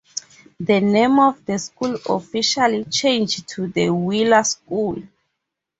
The name of the school officially changed to The Wheeler School.